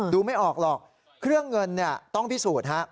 ดูไม่ออกหรอกเครื่องเงินเนี่ยต้องพิสูจน์ฮะ